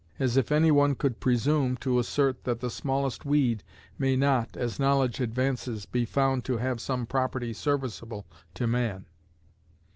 As if any one could presume to assert that the smallest weed may not, as knowledge advances, be found to have some property serviceable to man.